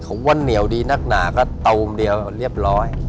ผมว่าเหนียวดีนักหนาก็ตูมเดียวเรียบร้อย